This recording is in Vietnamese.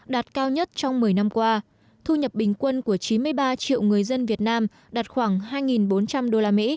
đạt cao nhất trong một mươi năm qua thu nhập bình quân của chín mươi ba triệu người dân việt nam đạt khoảng hai bốn trăm linh usd